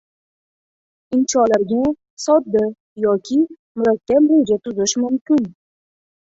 Insholarga sodda yoki murakkab reja tuzish mumkin.